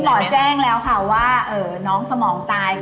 หมอแจ้งแล้วค่ะว่าน้องสมองตาย